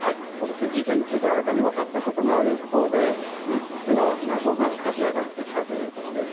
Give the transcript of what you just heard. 事件について新たにわかったことがある一方で３つの謎が浮かび上がってきたということです。